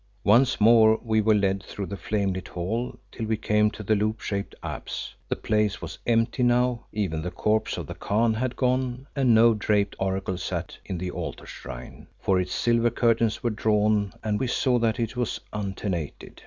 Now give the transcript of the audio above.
Once more we were led through the flame lit hall till we came to the loop shaped apse. The place was empty now, even the corpse of the Khan had gone, and no draped Oracle sat in the altar shrine, for its silver curtains were drawn, and we saw that it was untenanted.